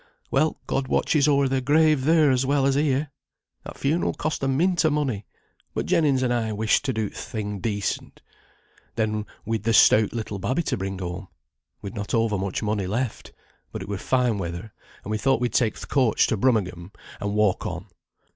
Well, God watches o'er their grave there as well as here. That funeral cost a mint o' money, but Jennings and I wished to do th' thing decent. Then we'd the stout little babby to bring home. We'd not overmuch money left; but it were fine weather, and we thought we'd take th' coach to Brummagem, and walk on.